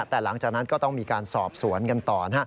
แต่หลังจากนั้นก็ต้องมีการสอบสวนกันต่อนะฮะ